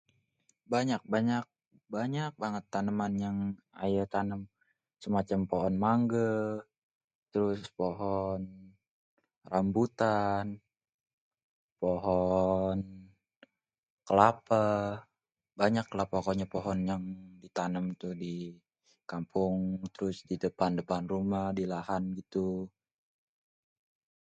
Banyak-banyak, banyak banget taneman yang aye tanem, semacam pohon mangge, terus pohon rambutan, pohon kelape banyak lah pokonye pohon yang di tanem tuh di kampung, trus di depan-depan rumah kaya di lahan gitu.